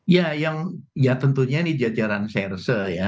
ya yang ya tentunya ini jajaran serse ya